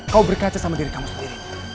kau berkaca sama diri kamu sendiri